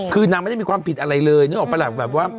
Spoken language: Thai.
คือนางไม่ได้มีความผิดอะไรเลยนึกออกปะล่ะแบบว่า